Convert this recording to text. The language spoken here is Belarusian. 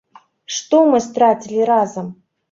Што мы страцілі разам?